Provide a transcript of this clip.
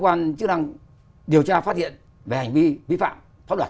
cơ quan chức năng điều tra phát hiện về hành vi vi phạm pháp luật